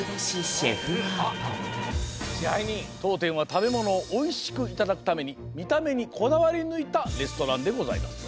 とうてんはたべものをおいしくいただくためにみためにこだわりぬいたレストランでございます。